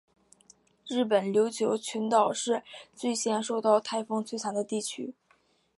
日本琉球群岛是最先受到台风摧残的地区。